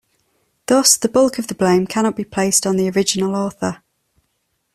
Thus, the bulk of the blame cannot be placed on the original author.